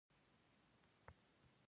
افغانستان د خاوره له مخې پېژندل کېږي.